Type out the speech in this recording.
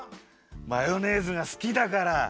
マヨネーズがすきだから。